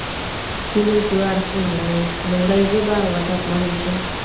هېلې دوه اړخونه لري: لومړۍ ژبه او ادب مهم شي.